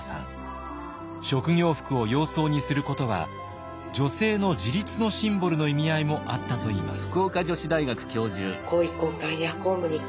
職業服を洋装にすることは女性の自立のシンボルの意味合いもあったといいます。